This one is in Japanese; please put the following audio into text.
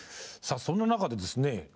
さあそんな中でですね